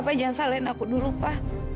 apa jangan salahin aku dulu pak